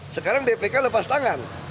sekarang bpk lepas tangan